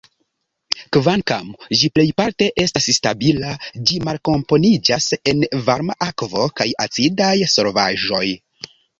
Kvankam ĝi plejparte estas stabila, ĝi malkomponiĝas en varma akvo kaj acidaj solvaĵoj.